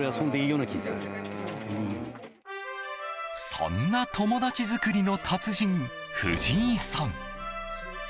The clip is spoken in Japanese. そんな友達作りの達人藤井さん。